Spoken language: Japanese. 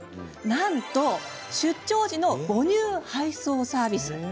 なんと、出張時の母乳配送サービス。